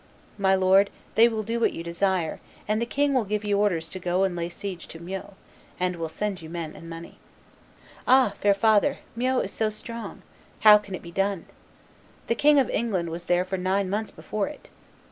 "My lord, they will do what you desire; and the king will give you orders to go and lay siege to Meaux, and will send you men and money." "Ah! fair father, Meaux is so strong! How can it be done? The King of England was there for nine months before it."